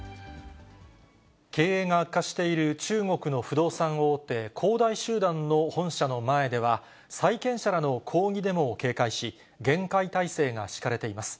経営が悪化している中国の不動産大手、恒大集団の本社の前では、債権者らの抗議デモを警戒し、厳戒態勢が敷かれています。